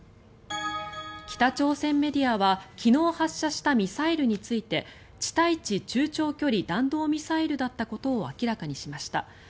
北朝鮮メディアは昨日発射したミサイルについて地対地中長距離弾道ミサイルだったことを明らかにしました。